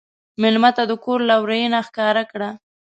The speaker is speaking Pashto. مېلمه ته د کور لورینه ښکاره کړه.